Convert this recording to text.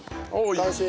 完成。